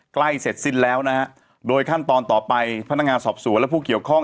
ใกล้เสร็จสิ้นแล้วนะฮะโดยขั้นตอนต่อไปพนักงานสอบสวนและผู้เกี่ยวข้อง